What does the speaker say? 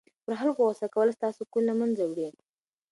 پر خلکو غصه کول ستا سکون له منځه وړي.